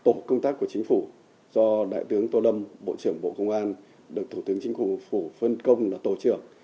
tổ công tác của chính phủ do đại tướng tô lâm bộ trưởng bộ công an được thủ tướng chính phủ phủ phân công là tổ trưởng